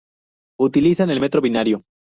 Utilizan el metro binario.